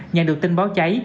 nhận được tin báo cháy